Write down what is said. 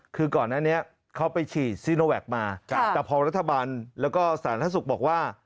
คือก่อนหน้านี้เขาไปฉีดซีโนแวคมาแต่พอรัฐบาลแล้วก็สาธารณสุขบอกว่า